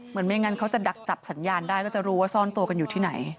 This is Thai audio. ไม่งั้นเขาจะดักจับสัญญาณได้ก็จะรู้ว่าซ่อนตัวกันอยู่ที่ไหน